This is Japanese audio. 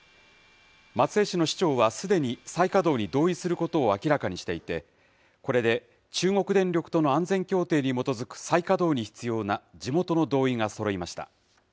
松江市の市長はすでに再稼働に同意することを明らかにしていて、これで中国電力との安全協定に基づく再稼働に必要な地元の同意がそろいました。